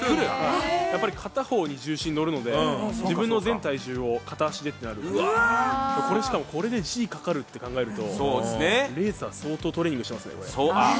やっぱり片方に重心が乗るので、自分の全体重を片足でとなると、これでＧがかかるとなるとレーサーは相当トレーニングしてますね。